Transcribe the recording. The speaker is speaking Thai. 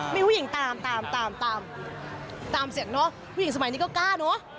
มีผู้หญิงตามตามเสียงเนอะผู้หญิงสมัยนี้ก็กล้าเนอะ